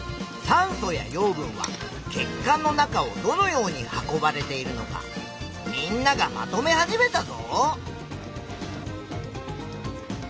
酸素や養分は血管の中をどのように運ばれているのかみんながまとめ始めたぞ！